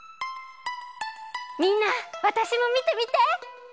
みんなわたしもみてみて！